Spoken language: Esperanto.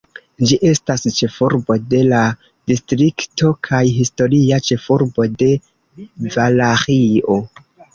Ĝi estas ĉefurbo de la distrikto kaj historia ĉefurbo de Valaĥio.